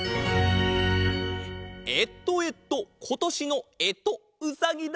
えっとえっとことしのえとうさぎだ！